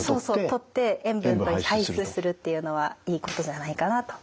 とって塩分を排出するっていうのはいいことじゃないかなと。